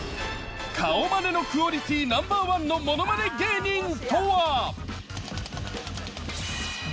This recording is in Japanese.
顔まねのクオリティナンバーワンのものまね芸人とは？